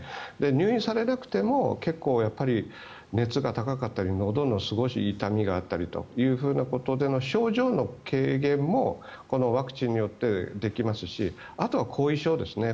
入院されなくても結構、熱が高かったりのどのすごい痛みがあったりということでの症状の軽減もこのワクチンによってできますしあとは後遺症ですね。